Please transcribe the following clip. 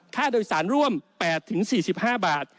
ค่าโดยสารร่วม๘๔๕บาท